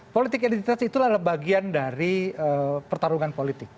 politik identitas itu adalah bagian dari pertarungan politik